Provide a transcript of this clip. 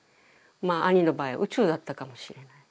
まあ兄の場合宇宙だったかもしれない。